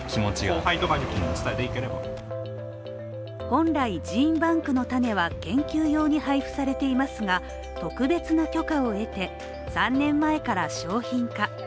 本来、ジーンバンクの種は研究用に配布されていますが、特別な許可を得て、３年前から商品化。